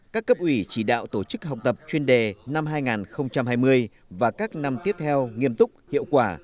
các cấp ủy chỉ đạo tổ chức học tập chuyên đề năm hai nghìn hai mươi và các năm tiếp theo nghiêm túc hiệu quả